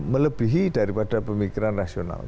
melebihi daripada pemikiran rasional